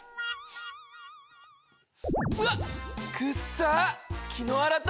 うわっ！